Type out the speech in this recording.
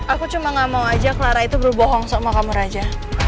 aku cuma gak mau aja clara itu berbohong sama kamar raja